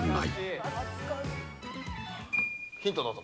「ヒントどうぞ。